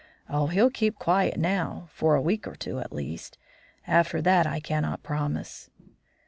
Oh, he'll keep quiet now, for a week or two at least. After that I cannot promise."